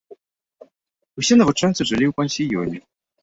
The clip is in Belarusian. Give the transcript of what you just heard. Усе навучэнцы жылі ў пансіёне.